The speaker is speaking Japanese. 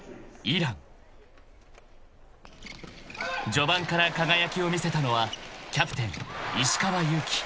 ［序盤から輝きを見せたのはキャプテン石川祐希］